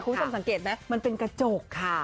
คุณผู้ชมสังเกตไหมมันเป็นกระจกค่ะ